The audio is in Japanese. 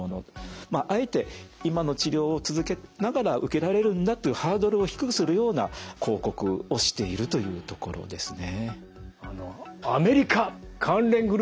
まああえて今の治療を続けながら受けられるんだというハードルを低くするような広告をしているというところですね。